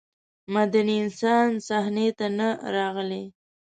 مدني انسان صحنې ته نه راغلی.